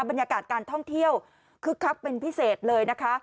บรรยากาศการท่องเที่ยวคึกคักเป็นพิเศษเลยนะคะ